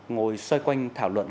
ngồi xoay quanh thảo luận